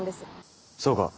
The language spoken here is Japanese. そうか。